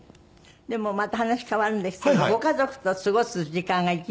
でもまた話変わるんですけどご家族と過ごす時間が息抜き。